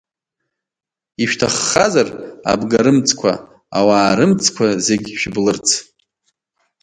Ишәҭаххазар, абгарымҵқәа, ауаа рымцқәа зегь шәыблырц?